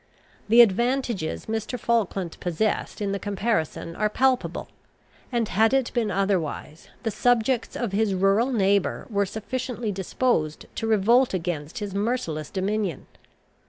The advantages Mr. Falkland possessed in the comparison are palpable; and had it been otherwise, the subjects of his rural neighbour were sufficiently disposed to revolt against his merciless dominion.